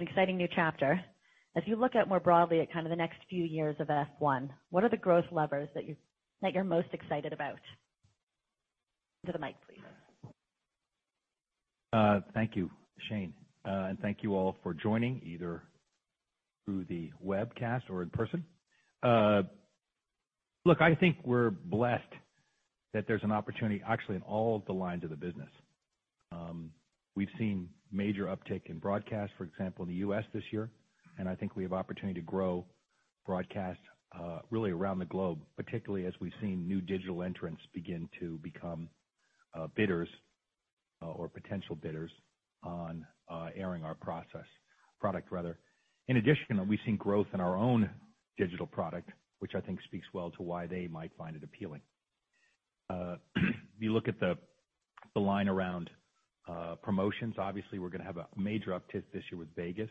It's an exciting new chapter. As you look out more broadly at kind of the next few years of F1, what are the growth levers that you're most excited about? To the mic, please. Thank you, Shane. Thank you all for joining, either through the webcast or in person. Look, I think we're blessed that there's an opportunity actually in all of the lines of the business. We've seen major uptick in broadcast, for example, in the U.S. this year, and I think we have opportunity to grow broadcast really around the globe, particularly as we've seen new digital entrants begin to become bidders or potential bidders on airing our product rather. In addition, we've seen growth in our own digital product, which I think speaks well to why they might find it appealing. If you look at the line around promotions, obviously, we're gonna have a major uptick this year with Vegas.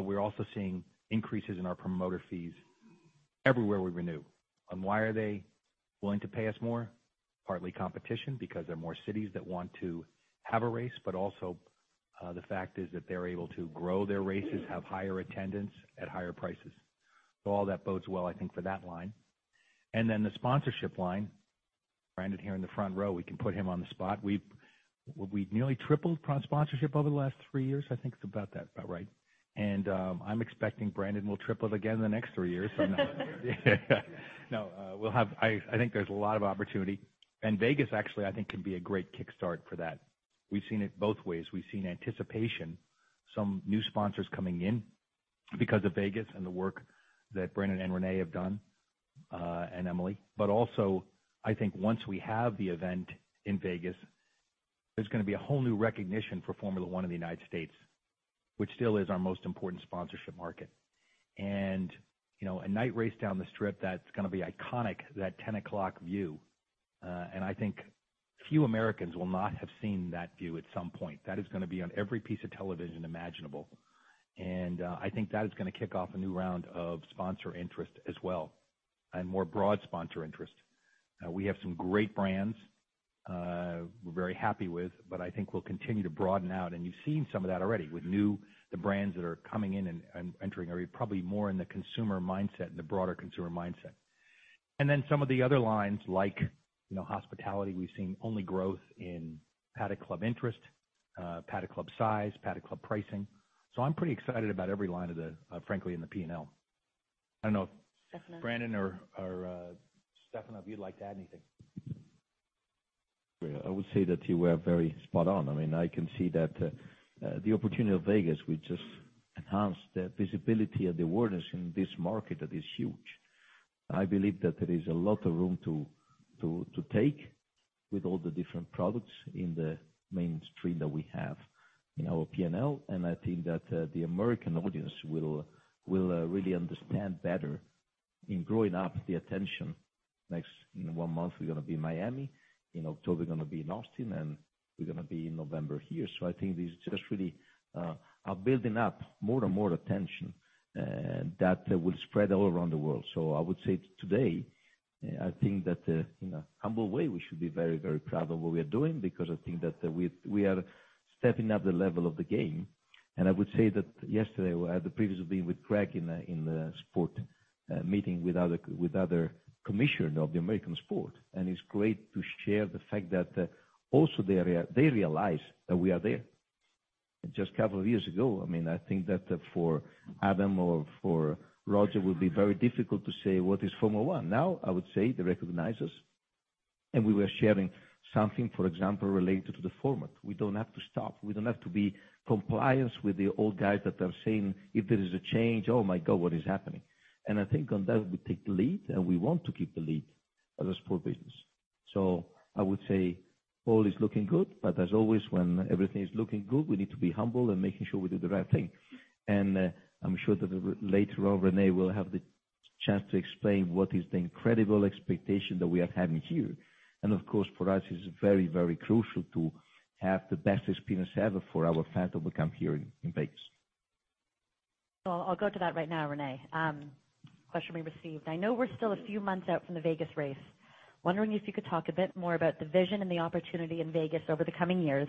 We're also seeing increases in our promoter fees everywhere we renew. Why are they willing to pay us more? Partly competition, because there are more cities that want to have a race, but also, the fact is that they're able to grow their races, have higher attendance at higher prices. All that bodes well, I think, for that line. Then the sponsorship line. Brandon here in the front row, we can put him on the spot. We've nearly tripled pro sponsorship over the last three years. I think it's about that, about right. I'm expecting Brandon will triple it again in the next three years. No, we'll have... I think there's a lot of opportunity. Vegas actually, I think, can be a great kickstart for that. We've seen it both ways. We've seen anticipation, some new sponsors coming in because of Vegas and the work that Brandon and Renee have done, and Emily. Also, I think once we have the event in Vegas, there's gonna be a whole new recognition for Formula 1 in the United States, which still is our most important sponsorship market. You know, a night race down the strip, that's gonna be iconic, that 10 o'clock view. I think few Americans will not have seen that view at some point. That is gonna be on every piece of television imaginable. I think that is gonna kick off a new round of sponsor interest as well, and more broad sponsor interest. We have some great brands, we're very happy with, but I think we'll continue to broaden out. You've seen some of that already with the brands that are coming in and entering are probably more in the consumer mindset, the broader consumer mindset. Some of the other lines, like, you know, hospitality, we've seen only growth in Paddock Club interest, Paddock Club size, Paddock Club pricing. I'm pretty excited about every line of the, frankly, in the P&L. I don't know if Brandon or Stefano, if you'd like to add anything. I would say that you were very spot on. I mean, I can see that the opportunity of Vegas will just enhance the visibility and awareness in this market that is huge. I believe that there is a lot of room to take with all the different products in the mainstream that we have in our P&L. I think that the American audience will really understand better in growing up the attention. Next, in one month, we're gonna be in Miami, in October, gonna be in Austin, and we're gonna be in November here. I think this just really are building up more and more attention that will spread all around the world. I would say today, I think that in a humble way, we should be very, very proud of what we are doing because I think that we are stepping up the level of the game. I would say that yesterday, I had the privilege of being with Greg in the sport meeting with other commissioners of the American sport. It's great to share the fact that also they realize that we are there. Just a couple of years ago, I mean, I think that for Adam or for Roger, it would be very difficult to say what is Formula 1. I would say they recognize us, and we were sharing something, for example, related to the format. We don't have to stop. We don't have to be compliance with the old guys that are saying, "If there is a change, oh my God, what is happening?" I think on that, we take the lead, and we want to keep the lead as a sport business. I would say all is looking good, but as always, when everything is looking good, we need to be humble and making sure we do the right thing. I'm sure that later on, Renee will have the chance to explain what is the incredible expectation that we are having here. Of course, for us, it's very, very crucial to have the best experience ever for our fans that will come here in Vegas. I'll go to that right now, Renee. Question we received: I know we're still a few months out from the Vegas race. Wondering if you could talk a bit more about the vision and the opportunity in Vegas over the coming years?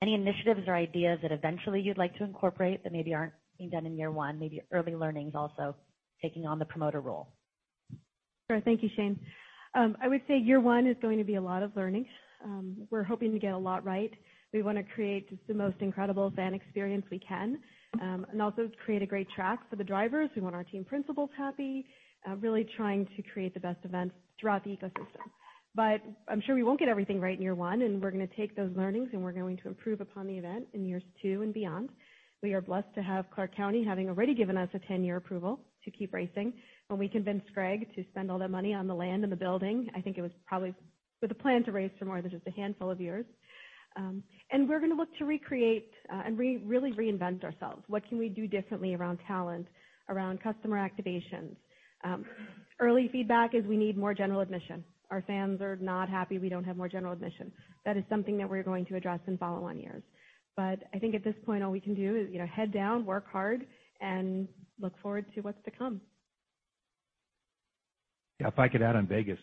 Any initiatives or ideas that eventually you'd like to incorporate that maybe aren't being done in year one, maybe early learnings also taking on the promoter role? Sure. Thank you, Shane. I would say year one is going to be a lot of learning. We're hoping to get a lot right. We wanna create just the most incredible fan experience we can, and also create a great track for the drivers. We want our team principals happy, really trying to create the best event throughout the ecosystem. I'm sure we won't get everything right in year one, and we're gonna take those learnings, and we're going to improve upon the event in years two and beyond. We are blessed to have Clark County having already given us a 10-year approval to keep racing. When we convinced Greg to spend all that money on the land and the building, I think it was probably with a plan to race for more than just a handful of years. We're gonna look to recreate, really reinvent ourselves. What can we do differently around talent, around customer activations? Early feedback is we need more general admission. Our fans are not happy we don't have more general admission. That is something that we're going to address in follow-on years. I think at this point, all we can do is, you know, head down, work hard, and look forward to what's to come. If I could add on Vegas.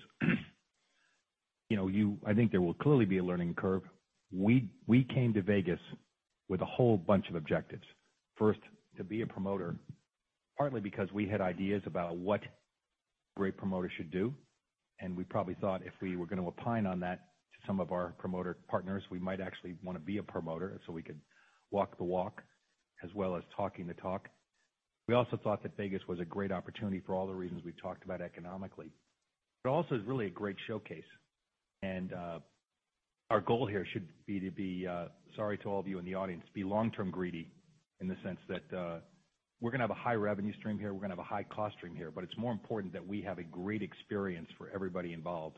You know, I think there will clearly be a learning curve. We came to Vegas with a whole bunch of objectives. First, to be a promoter, partly because we had ideas about what great promoters should do, and we probably thought if we were gonna opine on that to some of our promoter partners, we might actually wanna be a promoter so we could walk the walk as well as talking the talk. We also thought that Vegas was a great opportunity for all the reasons we've talked about economically. Also is really a great showcase. Our goal here should be to be, sorry to all of you in the audience, be long-term greedy in the sense that, we're gonna have a high revenue stream here, we're gonna have a high cost stream here, but it's more important that we have a great experience for everybody involved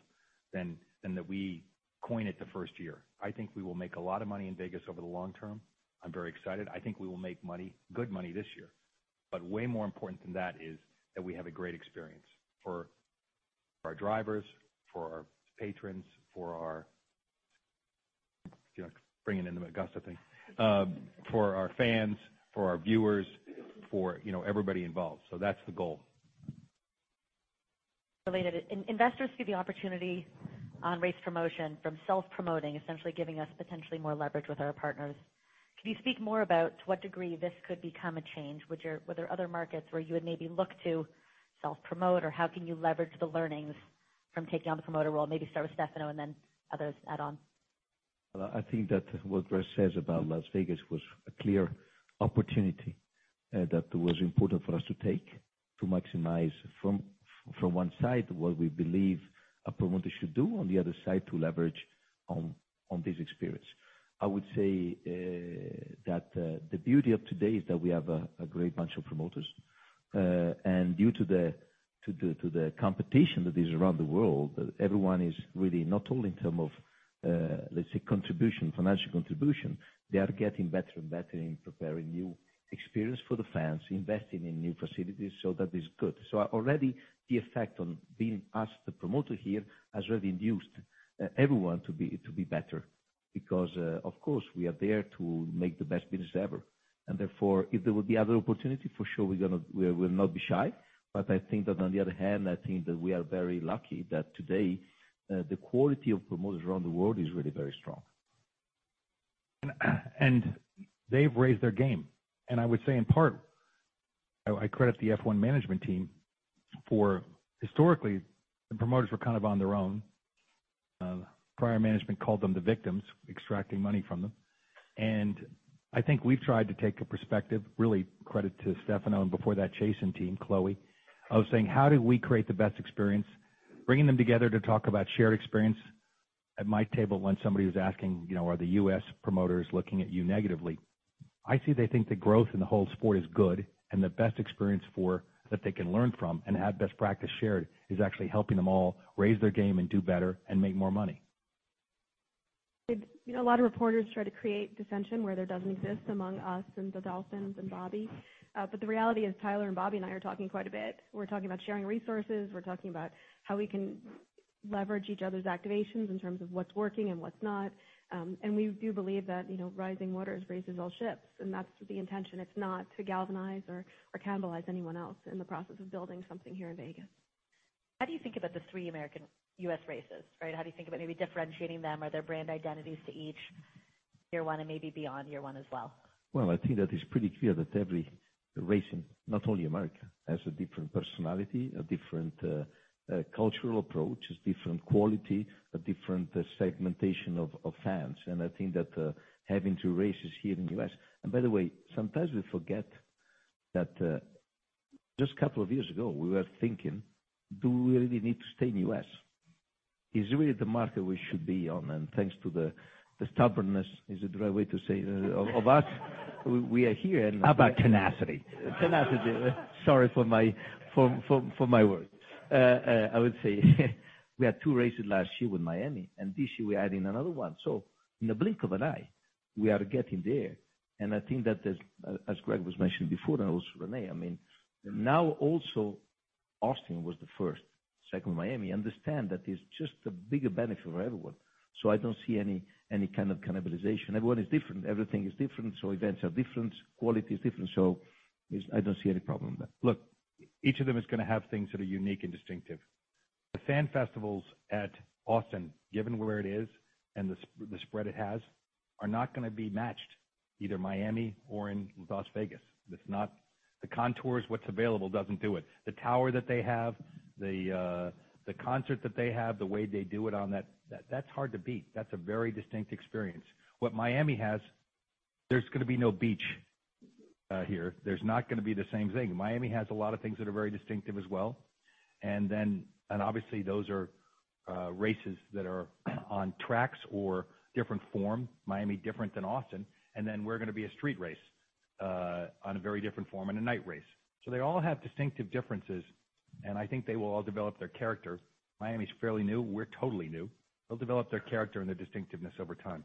than that we coin it the first year. I think we will make a lot of money in Vegas over the long term. I'm very excited. I think we will make money, good money this year. Way more important than that is that we have a great experience for our drivers, for our patrons, for our... You know, bringing in the Augusta thing. For our fans, for our viewers, for, you know, everybody involved. That's the goal. Related. Investors see the opportunity on race promotion from self-promoting, essentially giving us potentially more leverage with our partners. Can you speak more about to what degree this could become a change? Were there other markets where you would maybe look to self-promote, or how can you leverage the learnings from taking on the promoter role? Maybe start with Stefano, and then others add on. I think that what Greg says about Las Vegas was a clear opportunity that was important for us to take to maximize from one side, what we believe a promoter should do, on the other side, to leverage on this experience. I would say that the beauty of today is that we have a great bunch of promoters. Due to the competition that is around the world, everyone is really not only in terms of, let's say, contribution, financial contribution, they are getting better and better in preparing new experience for the fans, investing in new facilities, that is good. Already the effect on being asked to promote here has really induced everyone to be better because, of course, we are there to make the best business ever. Therefore, if there will be other opportunity, for sure we'll not be shy. I think that on the other hand, I think that we are very lucky that today, the quality of promoters around the world is really very strong. They've raised their game. I would say in part, I credit the F1 management team for historically, the promoters were kind of on their own. Prior management called them the victims, extracting money from them. I think we've tried to take a perspective, really credit to Stefano, and before that, Chase and team, Chloe, of saying, "How do we create the best experience?" Bringing them together to talk about shared experience. At my table, when somebody was asking, you know, "Are the U.S. promoters looking at you negatively?" I see they think the growth in the whole sport is good, and the best experience that they can learn from and have best practice shared is actually helping them all raise their game and do better and make more money. You know, a lot of reporters try to create dissension where there doesn't exist among us and the Dolans and Bobby. The reality is, Tyler and Bobby and I are talking quite a bit. We're talking about sharing resources. We're talking about how we can leverage each other's activations in terms of what's working and what's not. We do believe that, you know, rising waters raises all ships, and that's the intention. It's not to galvanize or cannibalize anyone else in the process of building something here in Vegas. How do you think about the three American U.S. races, right? How do you think about maybe differentiating them? Are there brand identities to each year one and maybe beyond year one as well? Well, I think that is pretty clear that every racing, not only America, has a different personality, a different cultural approach, has different quality, a different segmentation of fans. I think that having two races here in the U.S. By the way, sometimes we forget that just a couple of years ago, we were thinking, do we really need to stay in U.S.? Is really the market we should be on. Thanks to the stubbornness, is it the right way to say that, of us, we are here. How about tenacity? Tenacity. Sorry for my words. I would say we had two races last year with Miami. This year we're adding another one. In the blink of an eye, we are getting there. I think that as Greg was mentioning before, and also Renee, I mean, now also Austin was the 1st, 2nd Miami. Understand that it's just a bigger benefit for everyone. I don't see any kind of cannibalization. Everyone is different. Everything is different. Events are different. Quality is different. I don't see any problem with that. Look, each of them is gonna have things that are unique and distinctive. The fan festivals at Austin, given where it is and the spread it has, are not gonna be matched either Miami or in Las Vegas. That's not. The contours, what's available doesn't do it. The tower that they have, the concert that they have, the way they do it on that's hard to beat. That's a very distinct experience. What Miami has, there's gonna be no beach here. There's not gonna be the same thing. Miami has a lot of things that are very distinctive as well. Obviously, those are races that are on tracks or different form, Miami different than Austin. We're gonna be a street race on a very different form and a night race. They all have distinctive differences, and I think they will all develop their character. Miami's fairly new. We're totally new. They'll develop their character and their distinctiveness over time.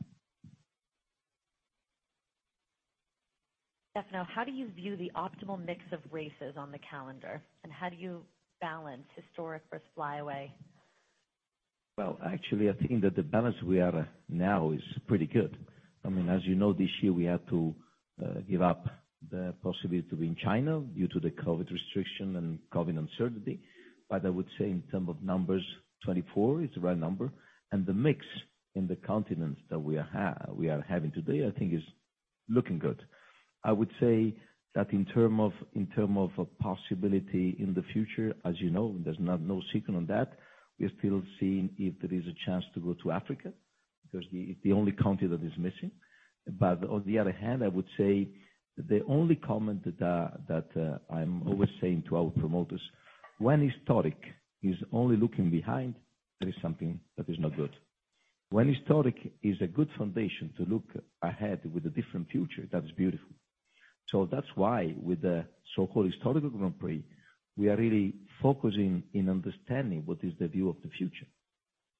Stefano, how do you view the optimal mix of races on the calendar, and how do you balance historic versus fly away? Well, actually, I think that the balance we are now is pretty good. I mean, as you know, this year we had to give up the possibility to be in China due to the COVID restriction and COVID uncertainty. I would say in term of numbers, 24 is the right number, and the mix in the continents that we are having today, I think is looking good. I would say that in term of, in term of a possibility in the future, as you know, there's no signal on that. We're still seeing if there is a chance to go to Africa, because it's the only country that is missing. On the other hand, I would say the only comment that I'm always saying to our promoters, when historic is only looking behind, that is something that is not good. When historic is a good foundation to look ahead with a different future, that is beautiful. That's why, with the so-called historical Grand Prix, we are really focusing in understanding what is the view of the future.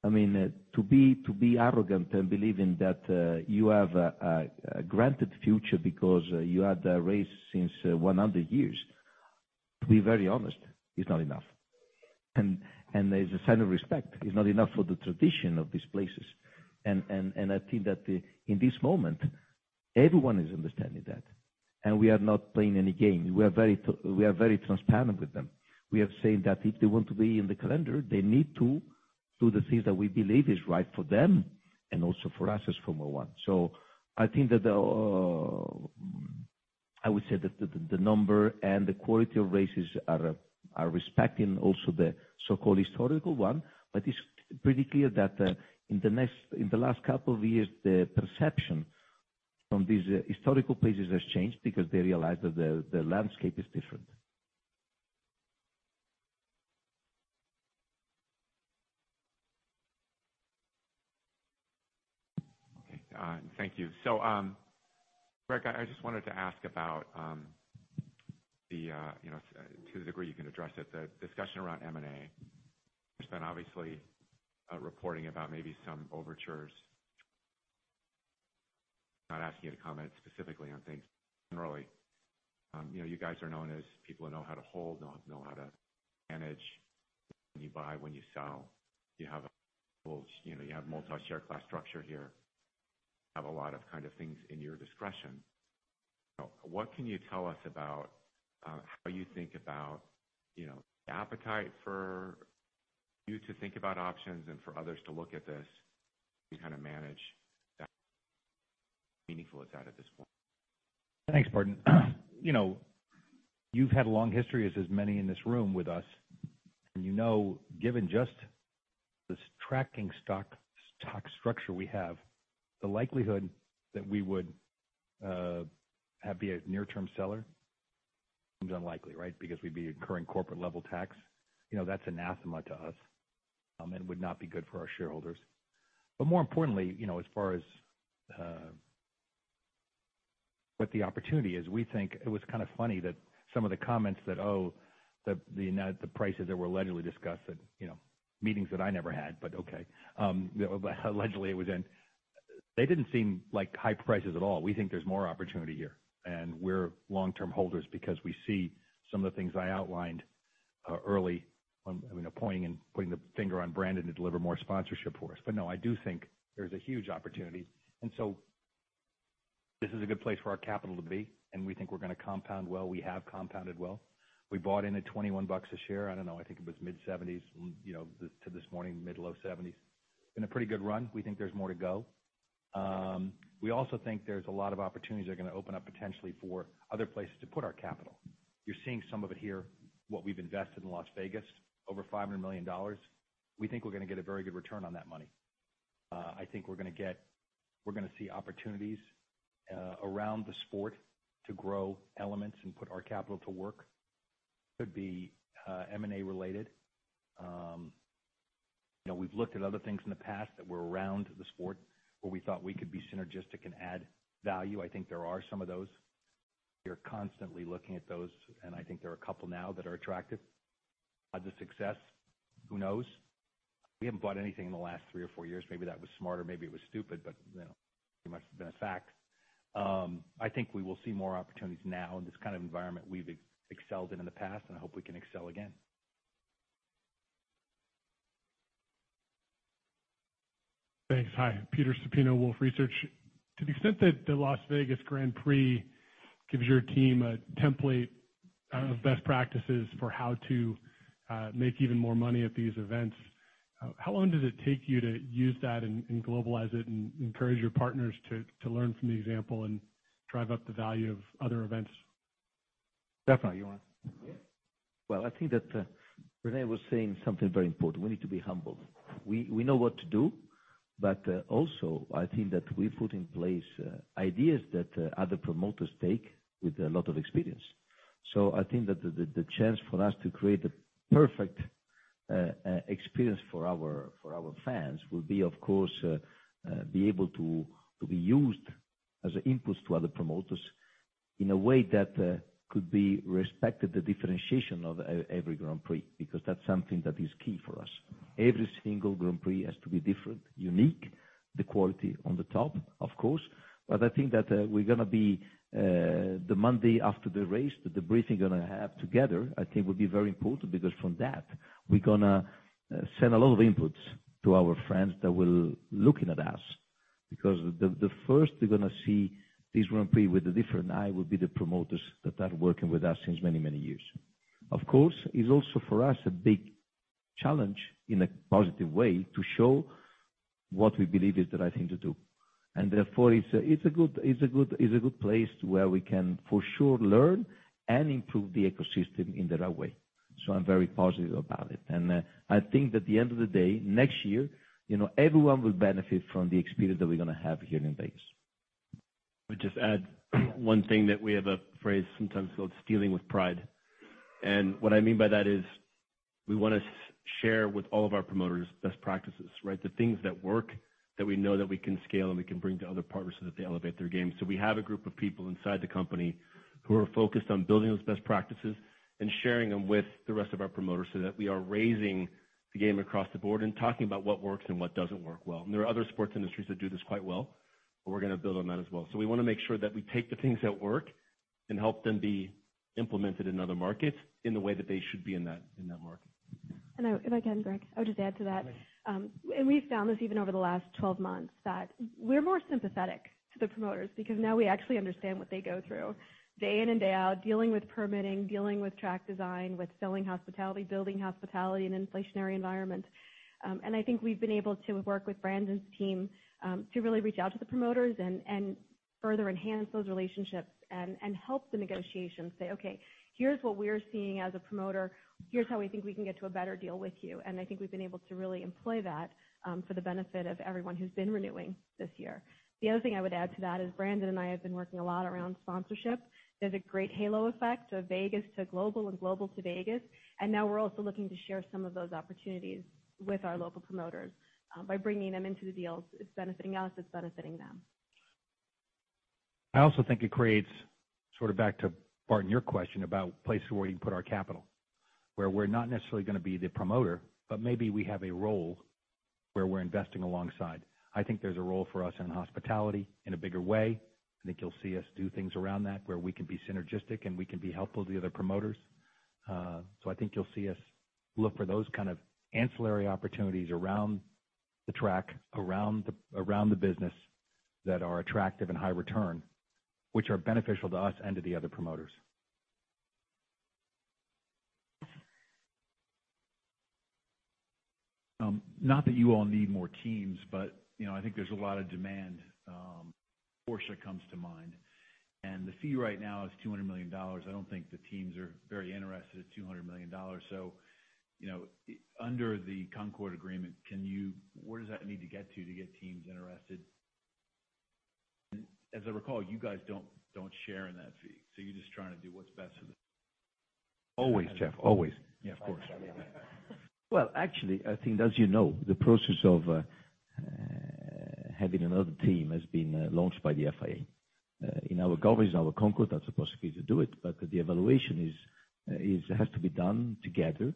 I mean, to be, to be arrogant and believe in that, you have a granted future because you had a race since 100 years, to be very honest, is not enough. As a sign of respect, it's not enough for the tradition of these places. I think that, in this moment, everyone is understanding that, and we are not playing any game. We are very transparent with them. We have said that if they want to be in the calendar, they need to do the things that we believe is right for them, and also for us as Formula 1. I think that the number and the quality of races are respecting also the so-called historical one. It's pretty clear that in the last couple of years, the perception from these historical places has changed because they realize that the landscape is different. Okay. Thank you. Greg, I just wanted to ask about, you know, to the degree you can address it, the discussion around M&A. There's been obviously a reporting about maybe some overtures. Not asking you to comment specifically on things, generally. You know, you guys are known as people who know how to hold, know how to manage, when you buy, when you sell. You have a whole, you know, you have multi-class share structure here. Have a lot of kind of things in your discretion. What can you tell us about how you think about, you know, appetite for you to think about options and for others to look at this to kind of manage that? How meaningful is that at this point? Thanks, Gordon. You know, you've had a long history, as has many in this room with us. You know, given just this tracking stock structure we have, the likelihood that we would have be a near-term seller seems unlikely, right? Because we'd be incurring corporate level tax. You know, that's anathema to us, and would not be good for our shareholders. More importantly, you know, as far as what the opportunity is, we think it was kind of funny that some of the comments that, oh, the now the prices that were allegedly discussed at, you know, meetings that I never had, but okay, allegedly it was in, they didn't seem like high prices at all. We think there's more opportunity here. We're long-term holders because we see some of the things I outlined, early on, I mean, pointing the finger on Brandon to deliver more sponsorship for us. No, I do think there's a huge opportunity. This is a good place for our capital to be, and we think we're gonna compound well. We have compounded well. We bought in at $21 bucks a share. I don't know, I think it was mid-70s, you know, to this morning, mid-low 70s. Been a pretty good run. We think there's more to go. We also think there's a lot of opportunities that are gonna open up potentially for other places to put our capital. You're seeing some of it here, what we've invested in Las Vegas, over $500 million. We think we're gonna get a very good return on that money. I think we're gonna see opportunities around the sport to grow elements and put our capital to work. Could be M&A related. You know, we've looked at other things in the past that were around the sport, where we thought we could be synergistic and add value. I think there are some of those. We are constantly looking at those, and I think there are a couple now that are attractive. The success, who knows? We haven't bought anything in the last three or four years. Maybe that was smart or maybe it was stupid, but, you know, pretty much been a fact. I think we will see more opportunities now in this kind of environment we've excelled in the past, and I hope we can excel again. Thanks. Hi, Peter Supino, Wolfe Research. To the extent that the Las Vegas Grand Prix gives your team a template of best practices for how to make even more money at these events, how long does it take you to use that and globalize it and encourage your partners to learn from the example and drive up the value of other events? Stefano, you want? Yes. Well, I think that Renee was saying something very important. We need to be humble. We know what to do, but also, I think that we put in place ideas that other promoters take with a lot of experience. I think that the chance for us to create the perfect experience for our fans will be, of course, be able to be used as an input to other promoters in a way that could be respected the differentiation of every Grand Prix, because that's something that is key for us. Every single Grand Prix has to be different, unique. The quality on the top, of course. I think that we're gonna be, the Monday after the race, the debriefing we're gonna have together, I think will be very important. From that, we're gonna send a lot of inputs to our friends that will looking at us. The first they're gonna see this Grand Prix with a different eye will be the promoters that are working with us since many, many years. Of course, it's also for us, a big challenge in a positive way, to show what we believe is the right thing to do. Therefore, it's a good place where we can, for sure, learn and improve the ecosystem in the right way. I'm very positive about it. I think at the end of the day, next year, you know, everyone will benefit from the experience that we're gonna have here in Vegas. Let me just add one thing that we have a phrase sometimes called stealing with pride. What I mean by that is, we wanna share with all of our promoters best practices, right? The things that work, that we know that we can scale and we can bring to other partners so that they elevate their game. We have a group of people inside the company who are focused on building those best practices and sharing them with the rest of our promoters, so that we are raising the game across the board and talking about what works and what doesn't work well. There are other sports industries that do this quite well, but we're gonna build on that as well. We want to make sure that we take the things that work and help them be implemented in other markets in the way that they should be in that, in that market. If I can, Greg, I would just add to that. We've found this even over the last 12 months, that we're more sympathetic to the promoters. Because now we actually understand what they go through day in and day out, dealing with permitting, dealing with track design, with selling hospitality, building hospitality in an inflationary environment. I think we've been able to work with Brandon's team to really reach out to the promoters and further enhance those relationships and help the negotiations. Say, "Okay, here's what we're seeing as a promoter. Here's how we think we can get to a better deal with you." I think we've been able to really employ that for the benefit of everyone who's been renewing this year. The other thing I would add to that is Brandon and I have been working a lot around sponsorship. There's a great halo effect of Vegas to global and global to Vegas. Now we're also looking to share some of those opportunities with our local promoters, by bringing them into the deals. It's benefiting us, it's benefiting them. I also think it creates, sort of back to, pardon, your question about places where we can put our capital. Where we're not necessarily gonna be the promoter, but maybe we have a role where we're investing alongside. I think there's a role for us in hospitality in a bigger way. I think you'll see us do things around that, where we can be synergistic and we can be helpful to the other promoters. I think you'll see us look for those kind of ancillary opportunities around the track, around the business that are attractive and high return, which are beneficial to us and to the other promoters. Not that you all need more teams, but, you know, I think there's a lot of demand, Porsche comes to mind. The fee right now is $200 million. I don't think the teams are very interested at $200 million. You know, under the Concorde Agreement, where does that need to get to get teams interested? As I recall, you guys don't share in that fee, so you're just trying to do what's best for the. Always, Jeff. Always. Yeah, of course. Well, actually, I think as you know, the process of having another team has been laun`ched by the FIA. In our governance, our Concorde, that's the best way to do it, but the evaluation is it has to be done together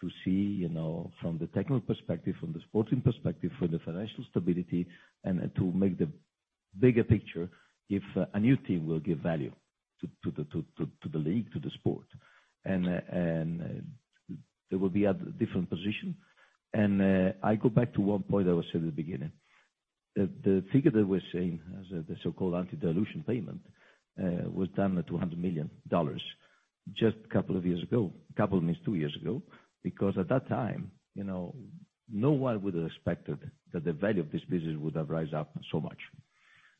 to see, you know, from the technical perspective, from the sporting perspective, for the financial stability and to make the bigger picture, if a new team will give value to the league, to the sport. They will be at a different position. I go back to one point that was said at the beginning. The figure that we're seeing as the so-called anti-dilution payment was done at $200 million just couple of years ago. Couple means two years ago. At that time, you know, no one would have expected that the value of this business would have rise up so much.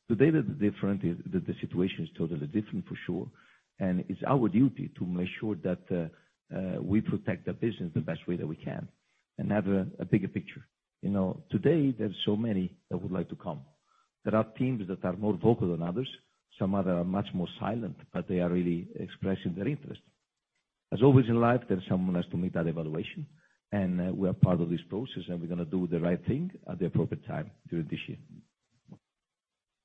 Today, the situation is totally different for sure, and it's our duty to make sure that we protect the business the best way that we can and have a bigger picture. You know, today there are so many that would like to come. There are teams that are more vocal than others, some other are much more silent, but they are really expressing their interest. As always in life, there's someone has to make that evaluation, and we are part of this process, and we're gonna do the right thing at the appropriate time during this year.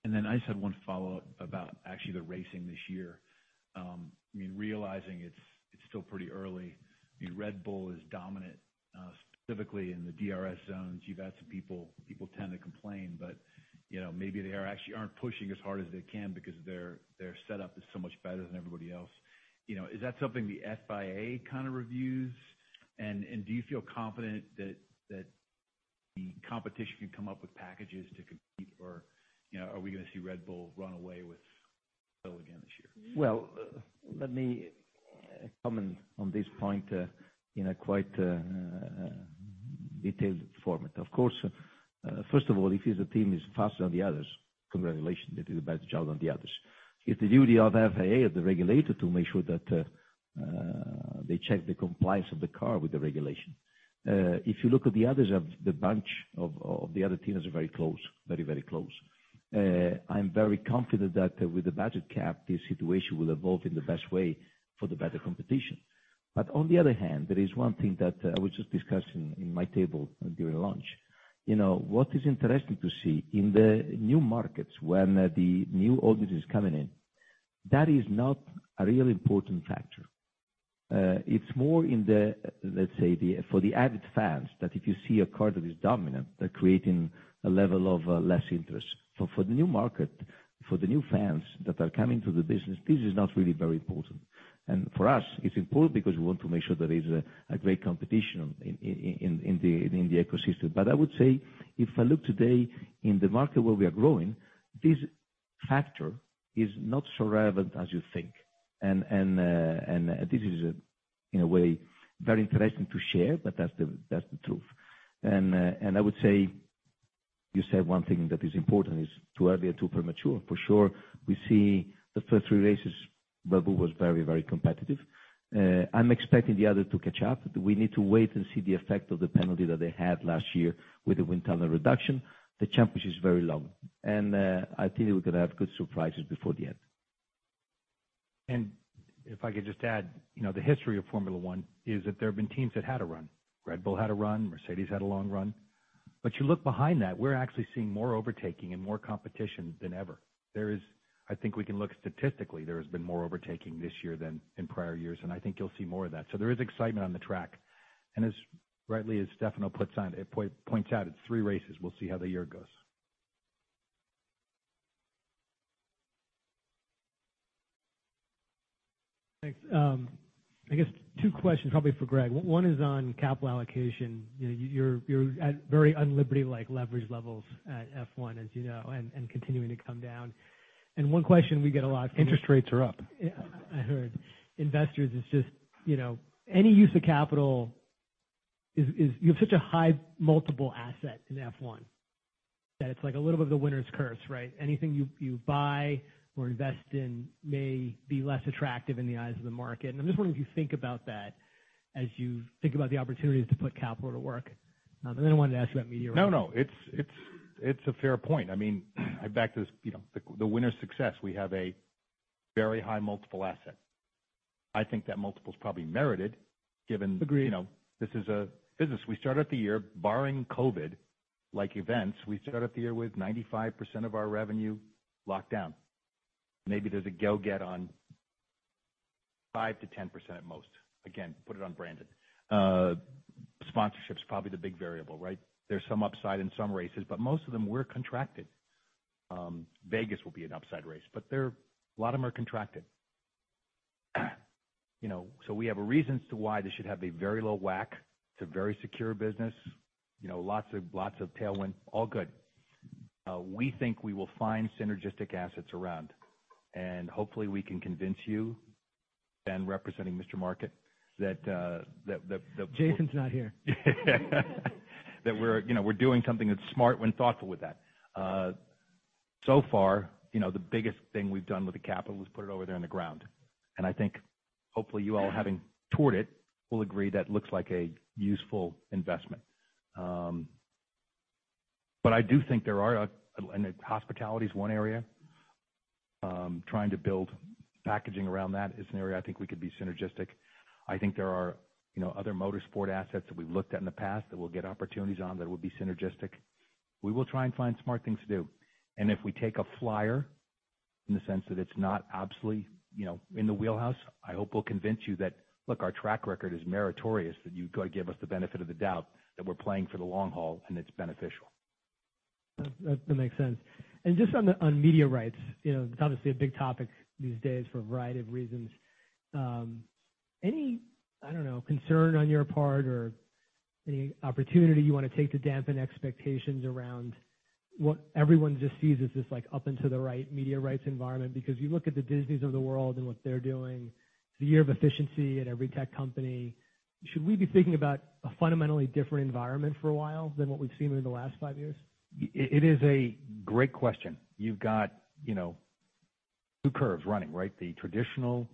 I just had one follow-up about actually the racing this year. I mean, realizing it's still pretty early. I mean, Red Bull is dominant, specifically in the DRS zones. You've had some people tend to complain, but, you know, maybe they actually aren't pushing as hard as they can because their setup is so much better than everybody else. You know, is that something the FIA kind of reviews? Do you feel confident that the competition can come up with packages to compete or, you know, are we gonna see Red Bull run away with it all again this year? Well, let me comment on this point, in a quite detailed format. Of course, first of all, if there's a team that's faster than the others, congratulations. They did a better job than the others. It's the duty of FIA as the regulator to make sure that they check the compliance of the car with the regulation. If you look at the others of the bunch, of the other teams are very close. Very, very close. I'm very confident that with the budget cap, this situation will evolve in the best way for the better competition. On the other hand, there is one thing that I was just discussing in my table during lunch. You know, what is interesting to see in the new markets when the new audience is coming in, that is not a real important factor. It's more in the, let's say, for the avid fans, that if you see a car that is dominant, they're creating a level of less interest. For the new market, for the new fans that are coming to the business, this is not really very important. For us, it's important because we want to make sure there is a great competition in the ecosystem. I would say, if I look today in the market where we are growing, this factor is not so relevant as you think. This is, in a way, very interesting to share, but that's the truth. I would say, you said one thing that is important, is too early or too premature. For sure, we see the first three races, Red Bull was very, very competitive. I'm expecting the other to catch up. We need to wait and see the effect of the penalty that they had last year with the wind tunnel reduction. The championship is very long. I think we're gonna have good surprises before the end. If I could just add, you know, the history of Formula 1 is that there have been teams that had a run. Red Bull had a run, Mercedes had a long run. You look behind that, we're actually seeing more overtaking and more competition than ever. There is... I think we can look statistically, there has been more overtaking this year than in prior years, and I think you'll see more of that. There is excitement on the track. As rightly as Stefano points out, it's three races. We'll see how the year goes. Thanks. I guess two questions, probably for Greg. One is on capital allocation. You know, you're at very un-liberty-like leverage levels at F1, as you know, and continuing to come down. One question we get a lot- Interest rates are up. Yeah, I heard. Investors, it's just, you know, any use of capital is. You have such a high multiple asset in F1 that it's like a little bit of the winner's curse, right? Anything you buy or invest in may be less attractive in the eyes of the market. I'm just wondering if you think about that as you think about the opportunities to put capital to work. Then I wanted to ask you about media rights. No, it's a fair point. I mean, I back to this, you know, the winner's success. We have a very high multiple asset. I think that multiple's probably merited. Agreed ...you know, this is a business. We start out the year borrowing COVID, like events. We start out the year with 95% of our revenue locked down. Maybe there's a go get on 5%-10% at most. Again, put it on branded. Sponsorship's probably the big variable, right? There's some upside in some races, but most of them we're contracted. Vegas will be an upside race, but a lot of them are contracted. You know, so we have a reason as to why they should have a very low WACC. It's a very secure business. You know, lots of tailwind, all good. We think we will find synergistic assets around. Hopefully, we can convince you, Ben representing Mr. Market, that. Jason's not here. That we're, you know, we're doing something that's smart when thoughtful with that. So far, you know, the biggest thing we've done with the capital is put it over there in the ground. I think hopefully you all having toured it will agree that looks like a useful investment. I do think there are... Hospitality is one area. Trying to build packaging around that is an area I think we could be synergistic. I think there are, you know, other motorsport assets that we've looked at in the past that we'll get opportunities on that will be synergistic. We will try and find smart things to do. If we take a flyer in the sense that it's not obviously, you know, in the wheelhouse, I hope we'll convince you that, look, our track record is meritorious, that you've got to give us the benefit of the doubt that we're playing for the long haul and it's beneficial. That makes sense. Just on media rights, you know, it's obviously a big topic these days for a variety of reasons. Any, I don't know, concern on your part or any opportunity you wanna take to dampen expectations around what everyone just sees as this, like, up and to the right media rights environment? You look at the Disneys of the world and what they're doing, the year of efficiency at every tech company. Should we be thinking about a fundamentally different environment for a while than what we've seen over the last five years? It is a great question. You've got, you know, two curves running, right? The traditional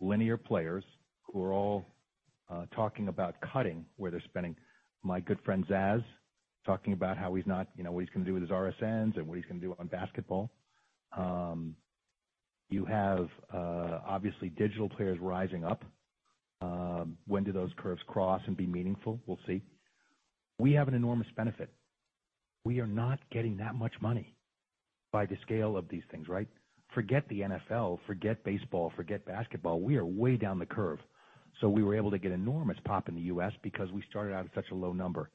linear players who are all talking about cutting where they're spending. My good friend Zaz talking about how he's not, you know, what he's gonna do with his RSNs and what he's gonna do on basketball. You have obviously digital players rising up. When do those curves cross and be meaningful? We'll see. We have an enormous benefit. We are not getting that much money by the scale of these things, right? Forget the NFL, forget baseball, forget basketball. We are way down the curve. We were able to get enormous pop in the U.S. because we started out at such a low number.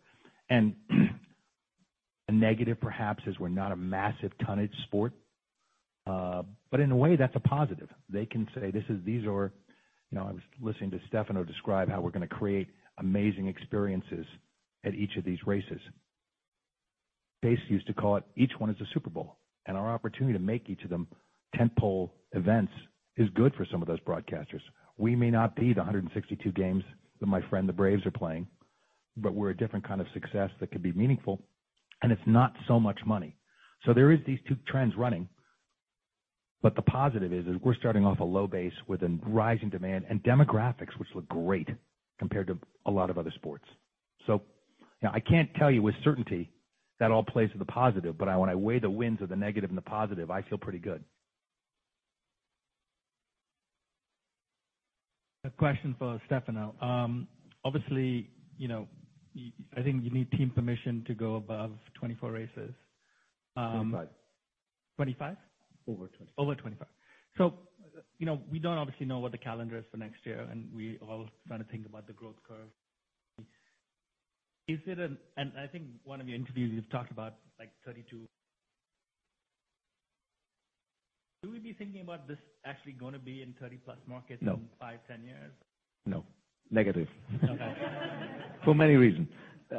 A negative perhaps is we're not a massive tonnage sport. But in a way, that's a positive. They can say, these are, You know, I was listening to Stefano describe how we're gonna create amazing experiences at each of these races. Base used to call it each one is a Super Bowl, and our opportunity to make each of them tentpole events is good for some of those broadcasters. We may not be the 162 games that my friend, the Braves, are playing, but we're a different kind of success that could be meaningful, and it's not so much money. There is these two trends running. The positive is we're starting off a low base with a rising demand and demographics which look great compared to a lot of other sports. you know, I can't tell you with certainty that all plays to the positive, but when I weigh the wins or the negative and the positive, I feel pretty good. A question for Stefano. Obviously, you know, I think you need team permission to go above 24 races. 25? Over 25. Over 25. You know, we don't obviously know what the calendar is for next year, and we all trying to think about the growth curve. Is it and I think one of your interviews you've talked about like 32? Should we be thinking about this actually gonna be in 30+ markets? No. in five, 10 years? No. Negative. Okay. For many reasons.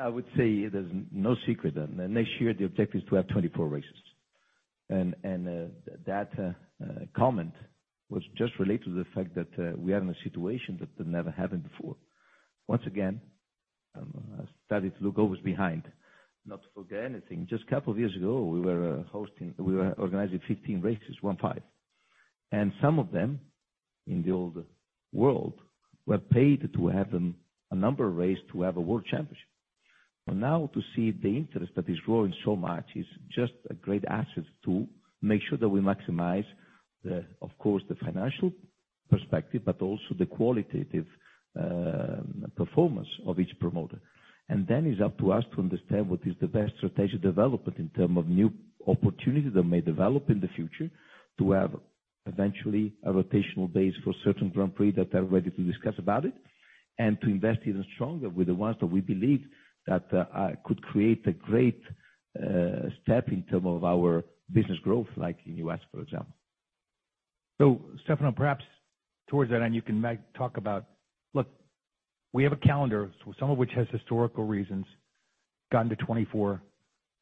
I would say there's no secret that next year the objective is to have 24 races. That comment was just related to the fact that we are in a situation that had never happened before. Once again, I started to look always behind, not to forget anything. Just a couple of years ago, we were organizing 15 races, 15. Some of them in the old world were paid to have them a number of race to have a world championship. Now to see the interest that is growing so much is just a great asset to make sure that we maximize the, of course, the financial perspective, but also the qualitative performance of each promoter. It's up to us to understand what is the best strategic development in term of new opportunities that may develop in the future to have eventually a rotational base for certain Grand Prix that are ready to discuss about it, to invest even stronger with the ones that we believe that could create a great step in term of our business growth, like in U.S., for example. Stefano, perhaps towards that end, you can talk about, look, we have a calendar, some of which has historical reasons, gotten to 24.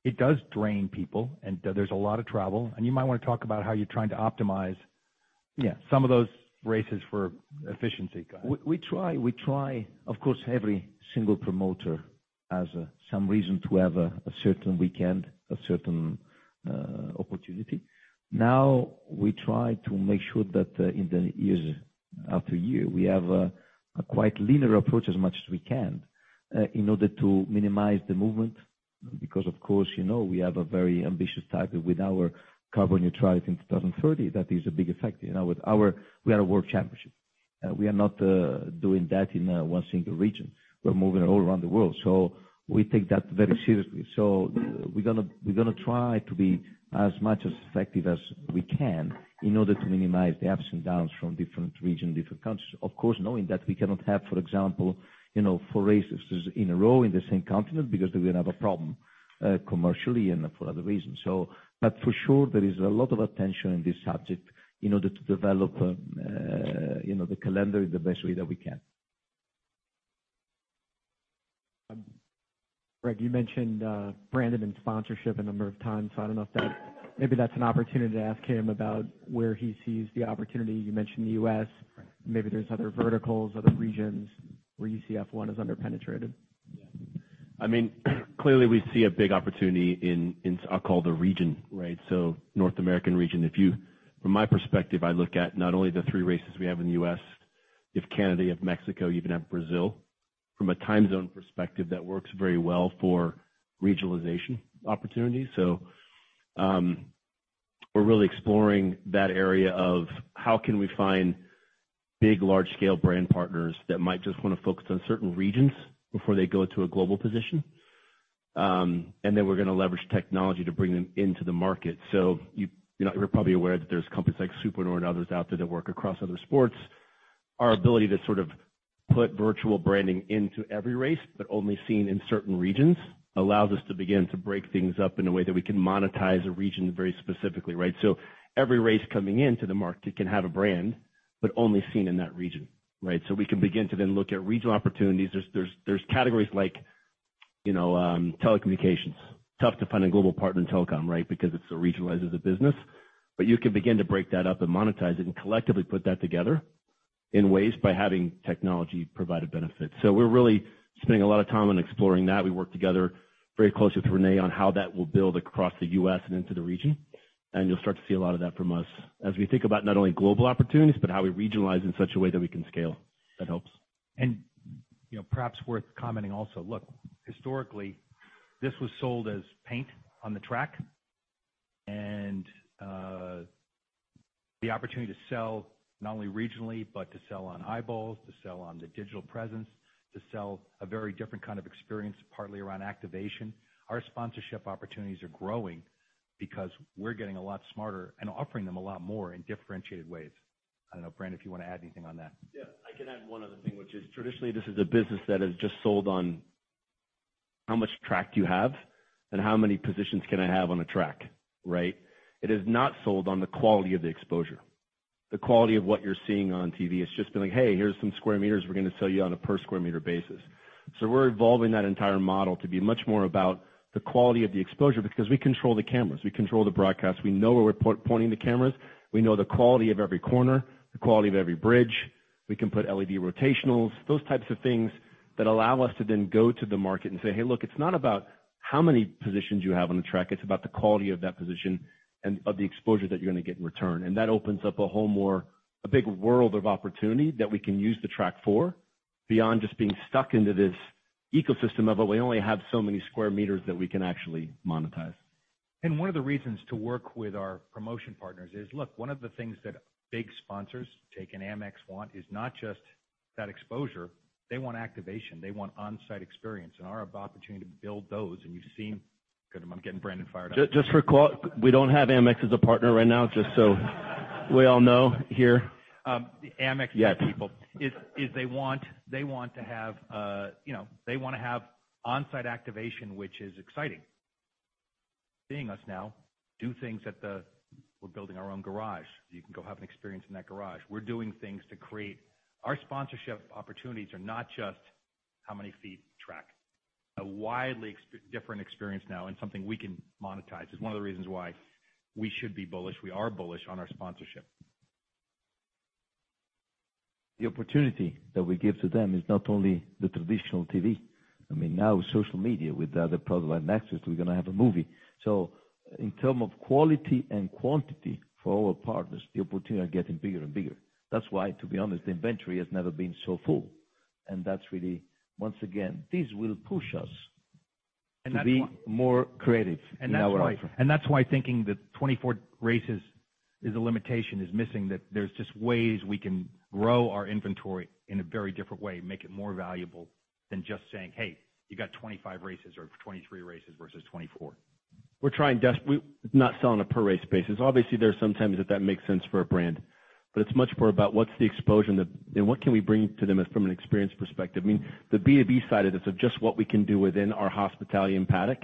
It does drain people, and there's a lot of travel. You might wanna talk about how you're trying to optimize, yeah, some of those races for efficiency. Go ahead. We try. Of course, every single promoter has some reason to have a certain weekend, a certain opportunity. Now we try to make sure that in the years after year, we have a quite linear approach as much as we can in order to minimize the movement. Because, of course, you know, we have a very ambitious target with our carbon neutrality in 2030. That is a big effect. You know, we are a world championship. We are not doing that in one single region. We're moving all around the world. We take that very seriously. We're gonna try to be as much as effective as we can in order to minimize the ups and downs from different region, different countries. Of course, knowing that we cannot have, for example, you know, four races in a row in the same continent because we're gonna have a problem, commercially and for other reasons, so. For sure, there is a lot of attention in this subject in order to develop, you know, the calendar in the best way that we can. Greg, you mentioned Brandon and sponsorship a number of times. I don't know if maybe that's an opportunity to ask him about where he sees the opportunity. You mentioned the U.S. Right. Maybe there's other verticals, other regions where you see F1 is under-penetrated. Yeah. I mean, clearly we see a big opportunity in, I'll call it the region, right? North American region. If you, from my perspective, I look at not only the three races we have in the U.S., you have Canada, you have Mexico, you even have Brazil. From a time zone perspective, that works very well for regionalization opportunities. We're really exploring that area of how can we find big, large scale brand partners that might just wanna focus on certain regions before they go to a global position. We're gonna leverage technology to bring them into the market. You know, you're probably aware that there's companies like Supernova and others out there that work across other sports. Our ability to sort of put virtual branding into every race, but only seen in certain regions, allows us to begin to break things up in a way that we can monetize a region very specifically, right? Every race coming into the market can have a brand, but only seen in that region, right? We can begin to then look at regional opportunities. There's categories like, you know, telecommunications. Tough to find a global partner in telecom, right, because it's so regionalized as a business. You can begin to break that up and monetize it and collectively put that together in ways by having technology provide a benefit. We're really spending a lot of time on exploring that. We work together very closely with Renee on how that will build across the U.S. and into the region. You'll start to see a lot of that from us as we think about not only global opportunities, but how we regionalize in such a way that we can scale. If that helps. You know, perhaps worth commenting also. Look, historically, this was sold as paint on the track and the opportunity to sell not only regionally, but to sell on eyeballs, to sell on the digital presence, to sell a very different kind of experience, partly around activation. Our sponsorship opportunities are growing because we're getting a lot smarter and offering them a lot more in differentiated ways. I don't know, Brandon, if you wanna add anything on that. Yeah, I can add one other thing, which is traditionally this is a business that is just sold on how much track you have and how many positions can I have on a track, right? It is not sold on the quality of the exposure, the quality of what you're seeing on TV. It's just been like, "Hey, here's some square meters we're gonna sell you on a per square meter basis." We're evolving that entire model to be much more about the quality of the exposure because we control the cameras, we control the broadcast. We know where we're pointing the cameras. We know the quality of every corner, the quality of every bridge. We can put LED rotationals, those types of things that allow us to then go to the market and say, "Hey, look, it's not about how many positions you have on the track. It's about the quality of that position and of the exposure that you're gonna get in return. That opens up a whole more, a big world of opportunity that we can use the track for beyond just being stuck into this ecosystem of, well, we only have so many square meters that we can actually monetize. One of the reasons to work with our promotion partners is, look, one of the things that big sponsors, take an Amex, want is That exposure. They want activation, they want on-site experience, and our opportunity to build those. You've seen. Good, I'm getting Brandon fired up. Just we don't have Amex as a partner right now, just so we all know here. The Amex people. Yes. They want to have, you know, they wanna have on-site activation, which is exciting. Seeing us now do things. We're building our own garage. You can go have an experience in that garage. We're doing things to create. Our sponsorship opportunities are not just how many feet track. A widely different experience now and something we can monetize. It's one of the reasons why we should be bullish. We are bullish on our sponsorship. The opportunity that we give to them is not only the traditional TV. I mean, now with social media, with the other product like Nexus, we're gonna have a movie. In term of quality and quantity for our partners, the opportunity are getting bigger and bigger. That's why, to be honest, the inventory has never been so full, and that's really, once again, this will push us- And that's why- to be more creative in our offering. That's why thinking that 24 races is a limitation is missing, that there's just ways we can grow our inventory in a very different way, make it more valuable than just saying, "Hey, you got 25 races or 23 races versus 24. We're not selling a per race basis. Obviously, there are some times that that makes sense for a brand. But it's much more about what's the exposure and what can we bring to them as from an experience perspective. I mean, the B2B side of this of just what we can do within our hospitality and paddock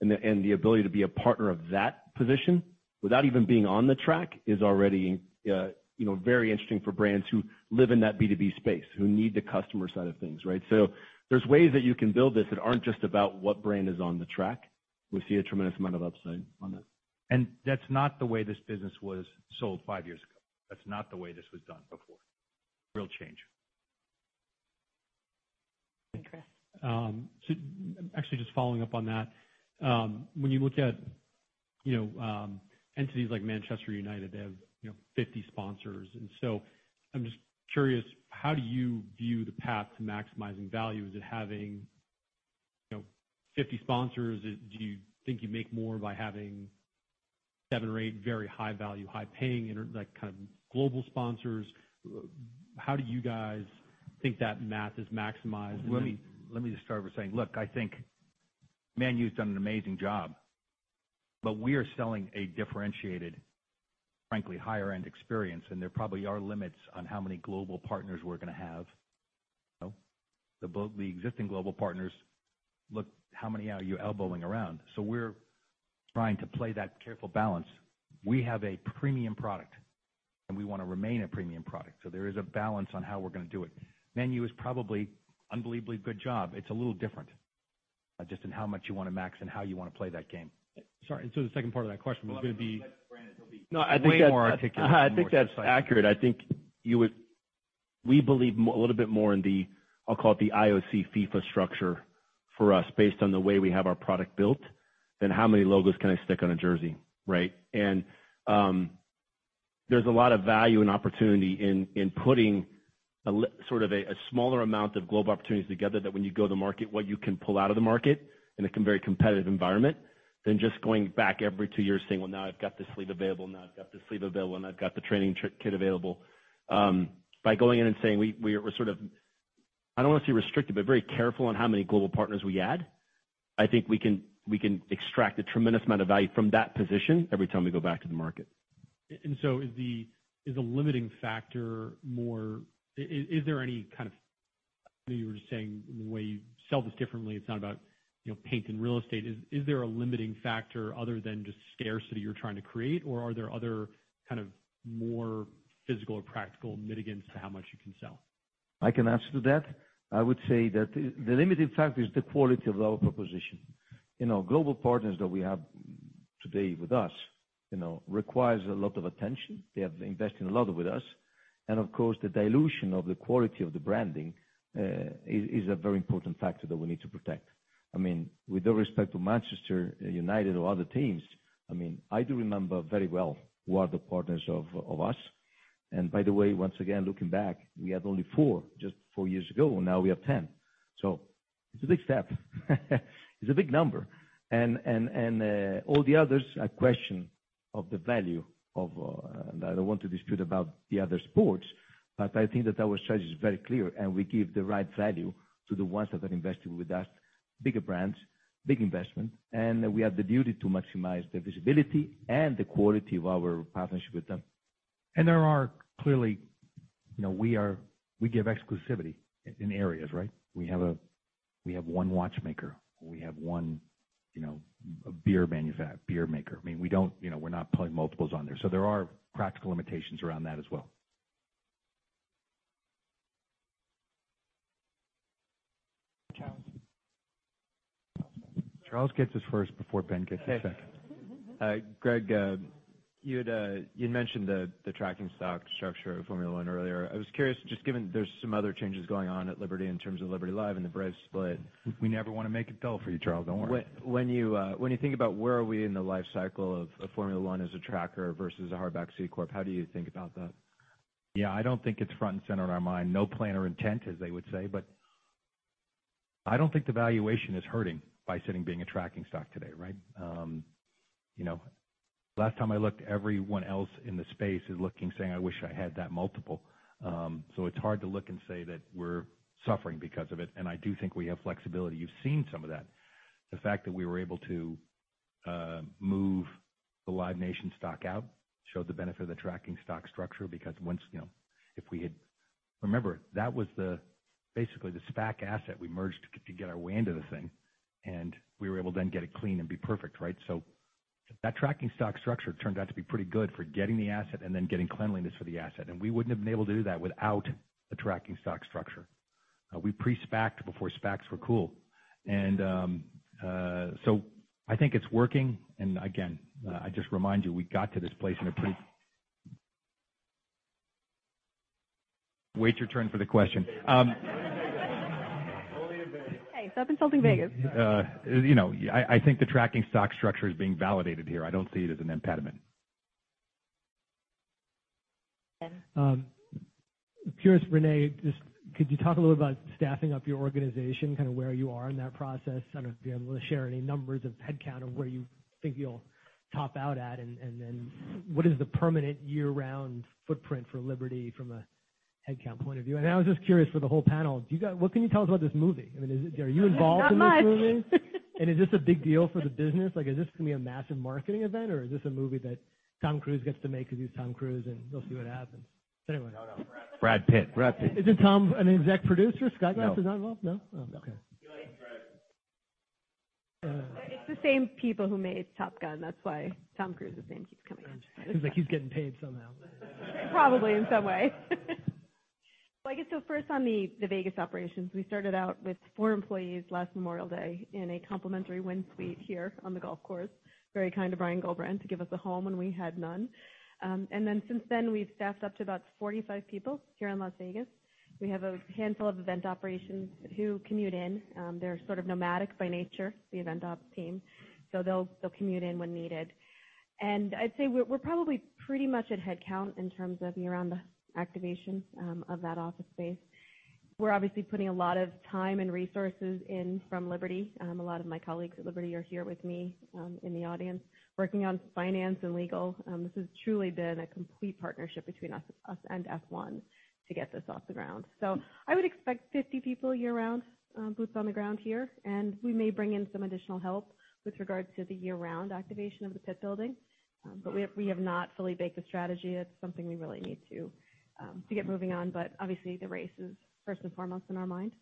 and the ability to be a partner of that position without even being on the track is already, you know, very interesting for brands who live in that B2B space, who need the customer side of things, right? There's ways that you can build this that aren't just about what brand is on the track. We see a tremendous amount of upside on that. That's not the way this business was sold five years ago. That's not the way this was done before. Real change. Chris? Actually just following up on that, when you look at, you know, entities like Manchester United, they have, you know, 50 sponsors. I'm just curious, how do you view the path to maximizing value? Is it having, you know, 50 sponsors? Do you think you make more by having seven or eight very high value, high paying like, kind of global sponsors? How do you guys think that math is maximized? And then. Let me just start with saying, look, I think Man U's done an amazing job. We are selling a differentiated, frankly, higher end experience. There probably are limits on how many global partners we're gonna have, you know. The existing global partners, look how many are you elbowing around. We're trying to play that careful balance. We have a premium product. We wanna remain a premium product. There is a balance on how we're gonna do it. Man U is probably unbelievably good job. It's a little different, just in how much you wanna max and how you wanna play that game. Sorry. The second part of that question was gonna be. Well, I'm gonna be honest with you, Brandon. It'll be way more articulate and more exciting. No, I think that's, I think that's accurate. We believe more, a little bit more in the, I'll call it the IOC FIFA structure for us based on the way we have our product built than how many logos can I stick on a jersey, right? There's a lot of value and opportunity in putting sort of a smaller amount of global opportunities together that when you go to market, what you can pull out of the market in a very competitive environment than just going back every two years saying, "Well, now I've got this sleeve available, now I've got this sleeve available, and I've got the training kit available." By going in and saying we're sort of, I don't wanna say restricted, but very careful on how many global partners we add, I think we can, we can extract a tremendous amount of value from that position every time we go back to the market. Is there any kind of, you know, you were just saying the way you sell this differently, it's not about, you know, paint and real estate. Is there a limiting factor other than just scarcity you're trying to create, or are there other kind of more physical or practical mitigants to how much you can sell? I can answer to that. I would say that the limiting factor is the quality of our proposition. You know, global partners that we have today with us, you know, requires a lot of attention. They have invested a lot with us. Of course, the dilution of the quality of the branding is a very important factor that we need to protect. I mean, with all respect to Manchester United or other teams, I mean, I do remember very well who are the partners of us. By the way, once again, looking back, we had only four just four years ago, now we have 10. It's a big step. It's a big number. All the others are question of the value of... I don't want to dispute about the other sports, but I think that our strategy is very clear, and we give the right value to the ones that are investing with us, bigger brands, big investment, and we have the duty to maximize the visibility and the quality of our partnership with them. There are clearly, you know, we give exclusivity in areas, right? We have one watchmaker. We have one, you know, beer maker. I mean, we don't, you know, we're not putting multiples on there. There are practical limitations around that as well. Charles. Charles gets his first before Ben gets his second. Hey. Greg, you had mentioned the tracking stock structure of Formula 1 earlier. I was curious, just given there's some other changes going on at Liberty in terms of Liberty Live and the Braves split- We never wanna make it dull for you, Charles, don't worry. When you think about where are we in the life cycle of Formula 1 as a tracker versus a hard C-corp, how do you think about that? Yeah, I don't think it's front and center in our mind. No plan or intent, as they would say. I don't think the valuation is hurting by sitting being a tracking stock today, right? You know, last time I looked, everyone else in the space is looking, saying, "I wish I had that multiple." It's hard to look and say that we're suffering because of it, and I do think we have flexibility. You've seen some of that. The fact that we were able to move the Live Nation stock out showed the benefit of the tracking stock structure because once, you know, if we had. Remember, that was basically the SPAC asset we merged to get our way into the thing, and we were able then get it clean and be perfect, right? That tracking stock structure turned out to be pretty good for getting the asset and then getting cleanliness for the asset. We wouldn't have been able to do that without the tracking stock structure. We pre-SPACs before SPACs were cool. I think it's working. Again, I just remind you, we got to this place in a pretty. Wait your turn for the question. You know, I think the tracking stock structure is being validated here. I don't see it as an impediment. Ben. Curious, Renee, just could you talk a little about staffing up your organization, kind of where you are in that process? I don't know if you're able to share any numbers of headcount of where you think you'll top out at, and then what is the permanent year-round footprint for Liberty from a headcount point of view? I was just curious for the whole panel, what can you tell us about this movie? I mean, are you involved in this movie? Not much. Is this a big deal for the business? Like, is this gonna be a massive marketing event, or is this a movie that Tom Cruise gets to make because he's Tom Cruise, and we'll see what happens. Anyway. Brad Pitt. Isn't Tom an exec producer? Scott Glass is not involved? No? Oh, okay. It's the same people who made Top Gun. That's why Tom Cruise's name keeps coming up. It's like he's getting paid somehow. Probably in some way. I guess so first on the Vegas operations, we started out with four employees last Memorial Day in a complimentary Wynn suite here on the golf course. Very kind of Brian Gullbrants to give us a home when we had none. Then since then, we've staffed up to about 45 people here in Las Vegas. We have a handful of event operations who commute in. They're sort of nomadic by nature, the event op team. They'll commute in when needed. I'd say we're probably pretty much at headcount in terms of year-round activation of that office space. We're obviously putting a lot of time and resources in from Liberty. A lot of my colleagues at Liberty are here with me in the audience, working on finance and legal. This has truly been a complete partnership between us and F1 to get this off the ground. I would expect 50 people year-round, boots on the ground here, and we may bring in some additional help with regards to the year-round activation of the pit building. We have not fully baked the strategy. It's something we really need to get moving on. Obviously the race is first and foremost in our minds.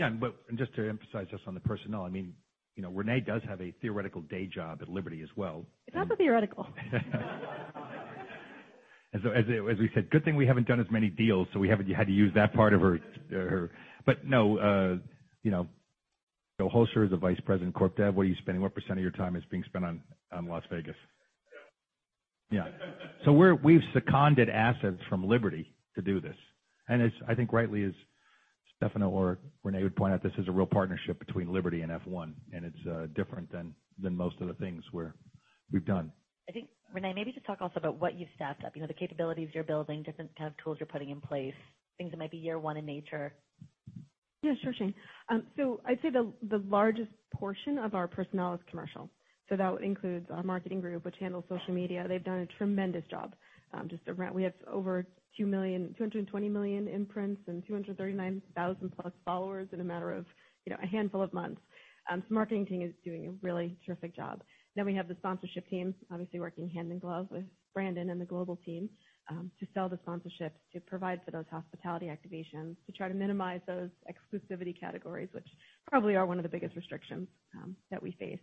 Yeah, just to emphasize just on the personnel, I mean, you know, Renee does have a theoretical day job at Liberty as well. It's not theoretical. As, as we said, good thing we haven't done as many deals, so we haven't had to use that part of her. No, you know, so e. What are you spending? What percent of your time is being spent on Las Vegas? Yeah. So we've seconded assets from Liberty to do this. As I think rightly as Stefano or Renee would point out, this is a real partnership between Liberty and F1, and it's different than most of the things we've done. I think, Renee, maybe just talk also about what you've staffed up, you know, the capabilities you're building, different kind of tools you're putting in place, things that might be year one in nature. Yeah, sure, Shane. I'd say the largest portion of our personnel is commercial. That includes our marketing group, which handles social media. They've done a tremendous job just around. We have over 2 million, 220 million imprints and 239,000 plus followers in a matter of, you know, a handful of months. Marketing team is doing a really terrific job. We have the sponsorship team, obviously working hand in glove with Brandon and the global team, to sell the sponsorship, to provide for those hospitality activations, to try to minimize those exclusivity categories, which probably are one of the biggest restrictions that we face.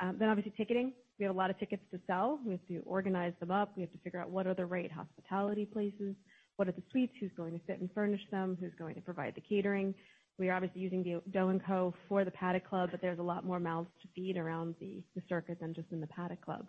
Obviously ticketing. We have a lot of tickets to sell. We have to organize them up. We have to figure out what are the right hospitality places, what are the suites, who's going to fit and furnish them, who's going to provide the catering. We are obviously using the DO & CO for the Paddock Club, but there's a lot more mouths to feed around the circuit than just in the Paddock Club.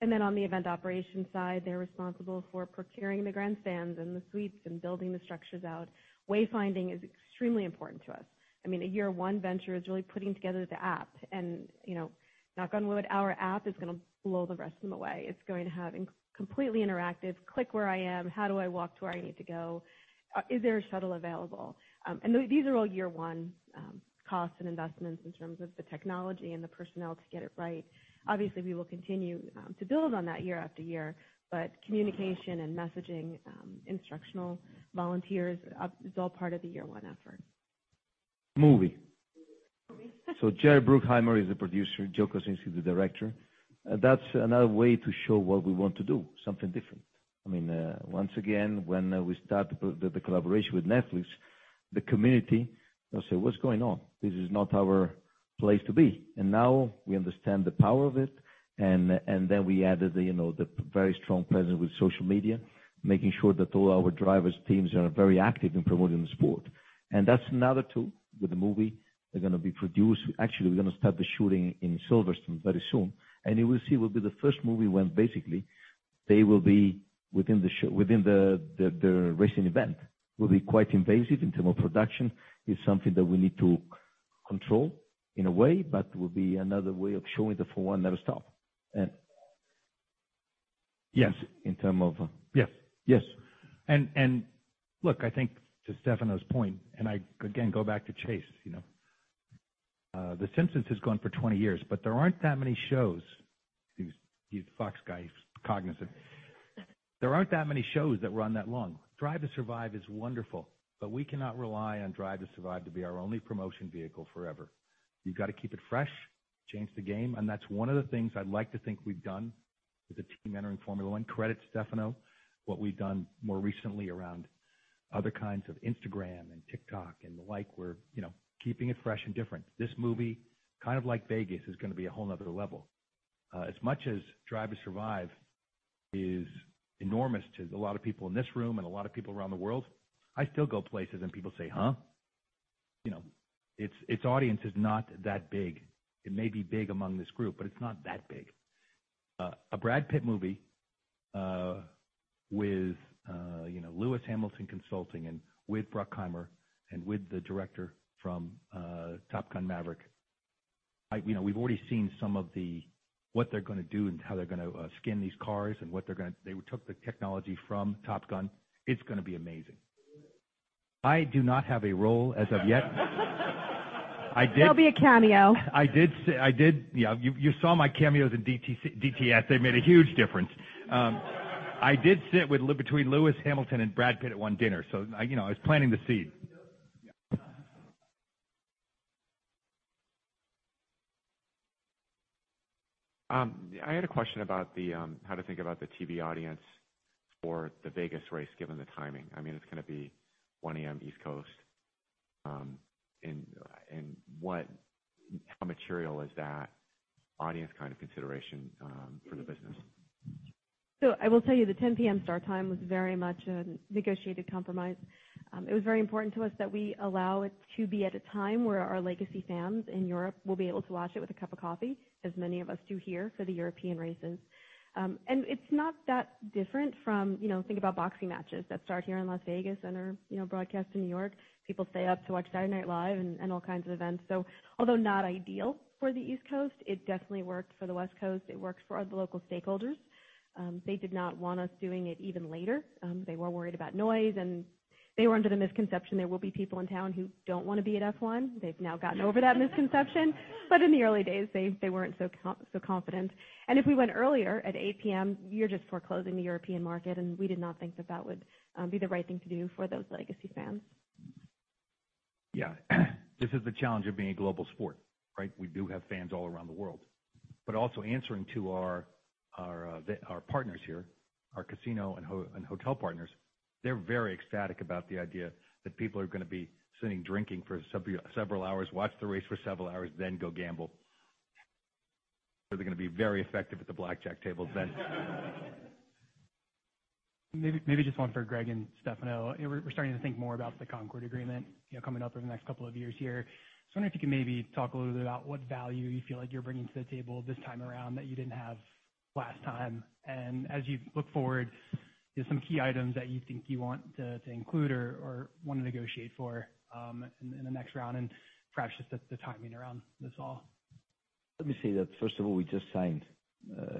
On the event operation side, they're responsible for procuring the grandstands and the suites and building the structures out. Wayfinding is extremely important to us. I mean, a year one venture is really putting together the app and, you know, knock on wood, our app is gonna blow the rest of them away. It's going to have completely interactive, click where I am, how do I walk to where I need to go, is there a shuttle available? These are all year one, costs and investments in terms of the technology and the personnel to get it right. Obviously, we will continue to build on that year after year. Communication and messaging, instructional volunteers, it's all part of the year one effort. Movie. Movie. Jerry Bruckheimer is the producer, Joseph Kosinski, the director. That's another way to show what we want to do, something different. I mean, once again, when we start the collaboration with Netflix, the community will say, 'What's going on? This is not our place to be.' Now we understand the power of it. Then we added the, you know, the very strong presence with social media, making sure that all our drivers, teams are very active in promoting the sport. That's another tool with the movie that's gonna be produced. Actually, we're gonna start the shooting in Silverstone very soon. You will see, will be the first movie when basically they will be within the, the racing event. Will be quite invasive in term of production. It's something that we need to control in a way, but will be another way of showing the Formula 1 never stop. Yes. In term of, Yes. Yes. Look, I think to Stefano's point, and I again go back to Chase, you know. The Simpsons has gone for 20 years, but there aren't that many shows. These, these Fox guys, cognizant. There aren't that many shows that run that long. Drive to Survive is wonderful, but we cannot rely on Drive to Survive to be our only promotion vehicle forever. You've got to keep it fresh, change the game. That's one of the things I'd like to think we've done with the team entering Formula 1. Credit Stefano. What we've done more recently around other kinds of Instagram and TikTok and the like, we're, you know, keeping it fresh and different. This movie, kind of like Vegas, is gonna be a whole another level. As much as Drive to Survive is enormous to a lot of people in this room and a lot of people around the world, I still go places and people say, "Huh?" You know, its audience is not that big. It may be big among this group, but it's not that big. A Brad Pitt movie, with you know, Lewis Hamilton consulting and with Bruckheimer and with the director from Top Gun: Maverick. You know, we've already seen some of what they're gonna do and how they're gonna skin these cars and what they're gonna... They took the technology from Top Gun. It's gonna be amazing. I do not have a role as of yet. There'll be a cameo. I did. Yeah, you saw my cameos in DTS. They made a huge difference. I did sit between Lewis Hamilton and Brad Pitt at one dinner, you know, I was planting the seed. Yep. Yeah. I had a question about the how to think about the TV audience for the Vegas race, given the timing. I mean, it's gonna be 1:00 A.M. East Coast, and what, how material is that audience kind of consideration for the business? I will tell you, the 10:00 P.M. start time was very much a negotiated compromise. It was very important to us that we allow it to be at a time where our legacy fans in Europe will be able to watch it with a cup of coffee, as many of us do here for the European races. It's not that different from, you know, think about boxing matches that start here in Las Vegas and are, you know, broadcast in New York. People stay up to watch Saturday Night Live and all kinds of events. Although not ideal for the East Coast, it definitely works for the West Coast. It works for other local stakeholders. They did not want us doing it even later. They were worried about noise, and they were under the misconception there will be people in town who don't wanna be at F1. They've now gotten over that misconception. In the early days, they weren't so confident. If we went earlier at 8:00 P.M., you're just foreclosing the European market. We did not think that that would be the right thing to do for those legacy fans. This is the challenge of being a global sport, right? We do have fans all around the world, but also answering to our, our partners here, our casino and hotel partners. They're very ecstatic about the idea that people are gonna be sitting, drinking for several hours, watch the race for several hours, then go gamble. They're gonna be very effective at the blackjack tables then. Maybe just one for Greg and Stefano. We're starting to think more about the Concorde Agreement, you know, coming up over the next couple of years here. Just wondering if you could maybe talk a little bit about what value you feel like you're bringing to the table this time around that you didn't have last time. As you look forward, there's some key items that you think you want to include or wanna negotiate for in the next round. Perhaps just the timing around this all. Let me say that first of all, we just signed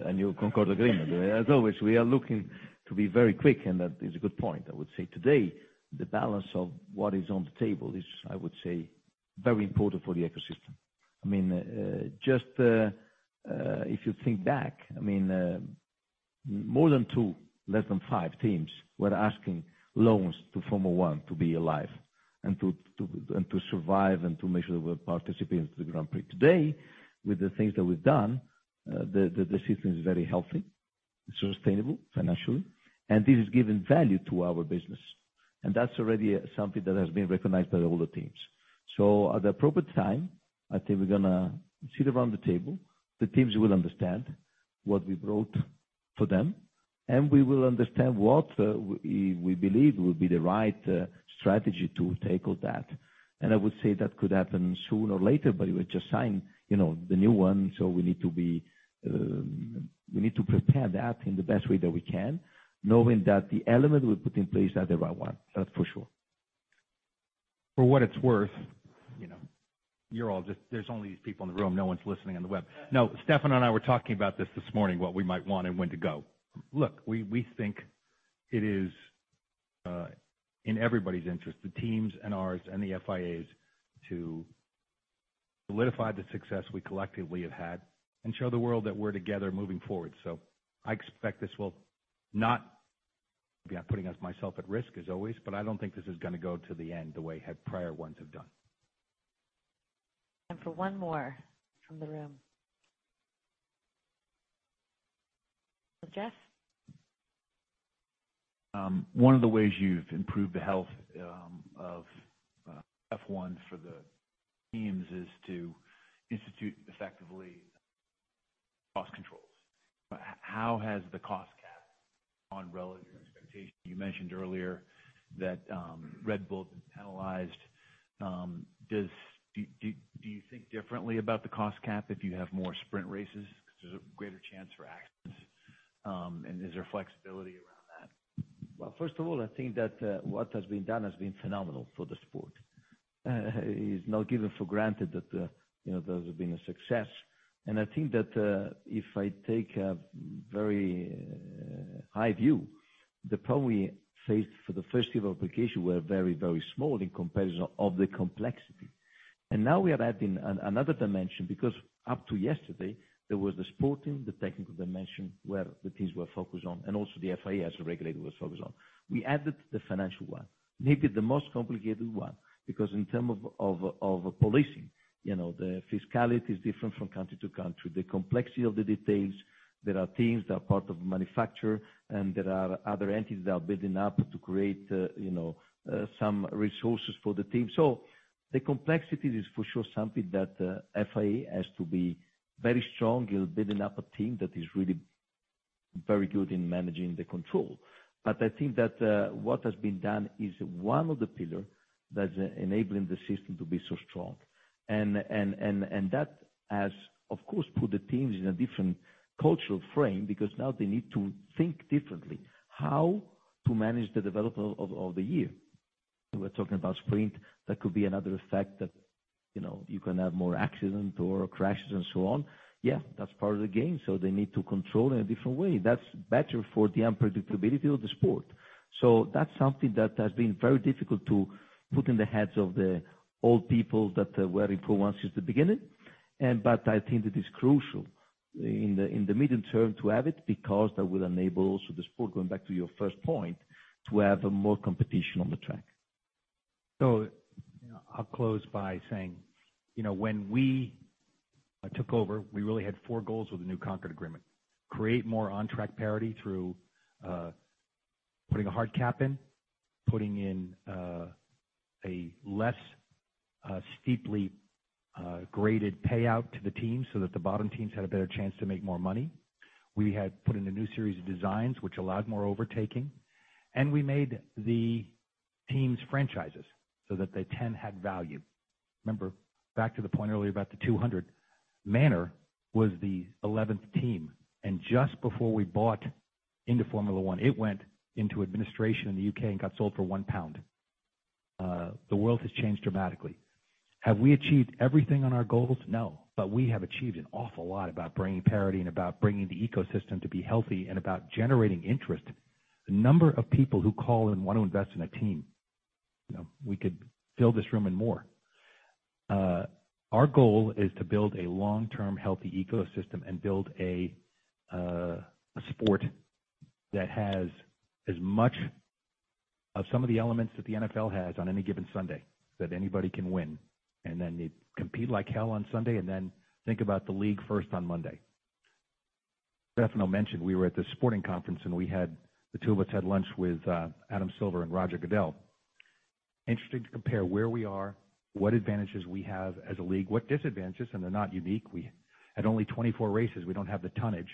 a new Concorde Agreement. As always, we are looking to be very quick, and that is a good point. I would say today, the balance of what is on the table is, I would say, very important for the ecosystem. I mean, just if you think back, I mean, more than two, less than five teams were asking loans to Formula 1 to be alive and to survive and to make sure that we're participating to the Grand Prix. Today, with the things that we've done, the system is very healthy, sustainable financially, and this is giving value to our business. That's already something that has been recognized by all the teams. At the appropriate time, I think we're gonna sit around the table. The teams will understand what we brought to them, and we will understand what we believe will be the right strategy to tackle that. I would say that could happen sooner or later, but we just signed, you know, the new one. We need to be, we need to prepare that in the best way that we can, knowing that the element we put in place are the right one. That's for sure. For what it's worth, you know, you're all there's only these people in the room. No one's listening on the web. Stefano and I were talking about this morning, what we might want and when to go. Look, we think it is in everybody's interest, the teams and ours and the FIA's, to solidify the success we collectively have had and show the world that we're together moving forward. I expect this will not... Yeah, putting us, myself at risk as always, but I don't think this is gonna go to the end the way have prior ones have done. Time for one more from the room. Jeff. One of the ways you've improved the health of F1 for the teams is to institute effectively cost controls. How has the cost cap on relative expectation... You mentioned earlier that Red Bull penalized, do you think differently about the cost cap if you have more sprint races 'cause there's a greater chance for accidents? Is there flexibility around- Well, first of all, I think that what has been done has been phenomenal for the sport. Is now given for granted that, you know, those have been a success. I think that if I take a very high view, the problem we faced for the first year of application were very, very small in comparison of the complexity. Now we are adding another dimension because up to yesterday there was the sporting, the technical dimension where the teams were focused on and also the FIA as the regulator was focused on. We added the financial one, maybe the most complicated one, because in term of policing, you know, the fiscality is different from country to country. The complexity of the details, there are teams that are part of the manufacturer and there are other entities that are building up to create, you know, some resources for the team. The complexity is for sure something that FIA has to be very strong in building up a team that is really very good in managing the control. I think that what has been done is one of the pillar that's enabling the system to be so strong. That has, of course, put the teams in a different cultural frame because now they need to think differently. How to manage the development of the year. We were talking about sprint. That could be another effect that, you know, you can have more accident or crashes and so on. That's part of the game. They need to control in a different way. That's better for the unpredictability of the sport. That's something that has been very difficult to put in the heads of the old people that were in Formula 1 since the beginning. I think it is crucial in the medium term to have it, because that will enable also the sport, going back to your first point, to have more competition on the track. I'll close by saying, you know, when we took over, we really had four goals with the new Concorde Agreement. Create more on-track parity through putting a hard cap in, putting in a less steeply graded payout to the team so that the bottom teams had a better chance to make more money. We had put in a new series of designs which allowed more overtaking, and we made the teams franchises so that the 10 had value. Remember back to the point earlier about the $200, Manor was the 11th team, and just before we bought into Formula 1, it went into administration in the U.K. and got sold for 1 pound. The world has changed dramatically. Have we achieved everything on our goals? We have achieved an awful lot about bringing parity and about bringing the ecosystem to be healthy and about generating interest. The number of people who call and want to invest in a team, you know, we could fill this room and more. Our goal is to build a long-term healthy ecosystem and build a sport that has as much of some of the elements that the NFL has on any given Sunday, that anybody can win. They compete like hell on Sunday and then think about the league first on Monday. Stefano mentioned we were at the sporting conference, and the two of us had lunch with Adam Silver and Roger Goodell. Interesting to compare where we are, what advantages we have as a league, what disadvantages, and they're not unique. We had only 24 races. We don't have the tonnage.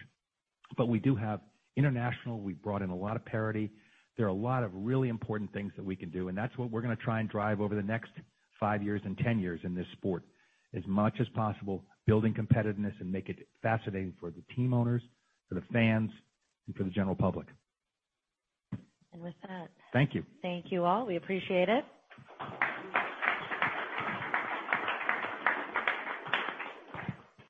We do have international. We've brought in a lot of parity. There are a lot of really important things that we can do. That's what we're gonna try and drive over the next five years and 10 years in this sport as much as possible, building competitiveness and make it fascinating for the team owners, for the fans, and for the general public. With that. Thank you. Thank you all. We appreciate it.